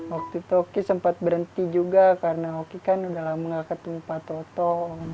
waktu itu oki sempat berhenti juga karena oki kan udah lama gak ketemu pak toto